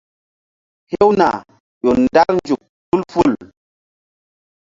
Hewna ƴo ndar nzuk tul ful.